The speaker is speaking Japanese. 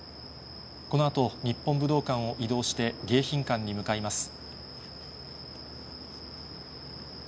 このあと日本武道館を移動して、迎賓館に向かいます。